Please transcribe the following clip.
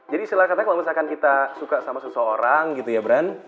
jadi silahkan katanya kalau misalkan kita suka sama seseorang gitu ya bran